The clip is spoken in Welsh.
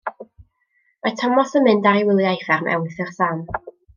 Mae Tomos yn mynd ar ei wyliau i fferm Ewythr Sam.